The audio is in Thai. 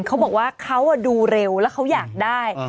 เขาบอกว่าเขาดูเร็วแล้วเขาอยากได้